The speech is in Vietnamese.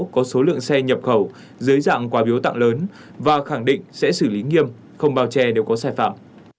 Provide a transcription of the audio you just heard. có số lượng xe nhập khẩu dưới dạng quà biếu tặng lớn và khẳng định sẽ xử lý nghiêm không bao che nếu có sai phạm